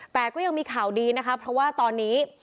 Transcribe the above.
แต่ก็ยังมีข่าวดีนะคะเพราะว่าตอนนี้